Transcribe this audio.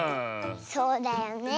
そうだよねえ。